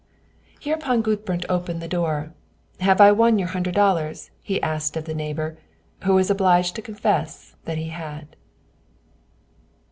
Hereupon Gudbrand opened the door: "Have I won your hundred dollars?" asked he of the neighbor, who was obliged to confess that he had.